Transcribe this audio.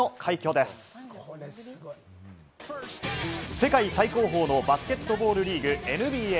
世界最高峰のバスケットボールリーグ・ＮＢＡ。